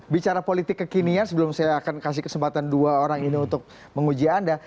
bicara politik kekinian sebelum saya akan kasih kesempatan dua orang ini untuk menguji anda